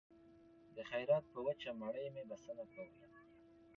د خیرات په وچه مړۍ مې بسنه کوله